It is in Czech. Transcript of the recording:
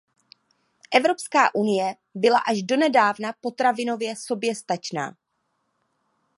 Evropská unie byla až donedávna potravinově soběstačná.